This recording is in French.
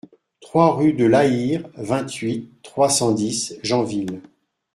trois rue de Laïr, vingt-huit, trois cent dix, Janville